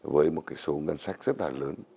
với một số ngân sách rất là lớn